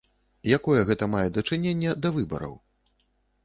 Якое гэта мае дачыненне да выбараў?